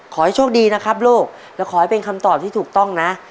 ขอให้โชคดีนะครับลูกและขอให้เป็นคำตอบที่ถูกต้องนะ